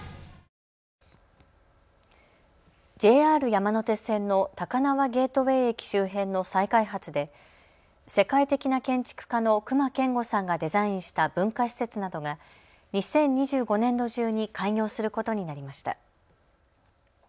ＪＲ山手線の高輪ゲートウェイ駅周辺の再開発で世界的な建築家の隈研吾さんがデザインした文化施設などが２０２５年度中に開業することになりました。